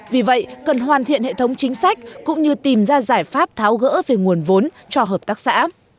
vì vậy cần hoàn thiện hệ thống chính sách cũng như tìm ra giải pháp tháo gỡ về nguồn vốn cho hợp tác xã